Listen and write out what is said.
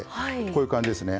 こういう感じですね。